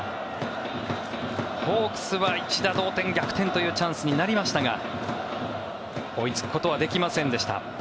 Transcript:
ホークスは一打同点逆転というチャンスになりましたが追いつくことはできませんでした。